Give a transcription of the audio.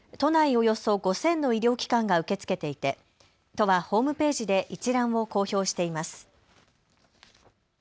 およそ５０００の医療機関が受け付けていて都はホームページで一覧を公表しています。